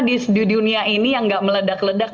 di dunia ini yang gak meledak ledak